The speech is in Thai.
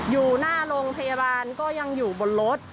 อยู่หน้าโรงพยาบาลก็ยังอยู่บนรถ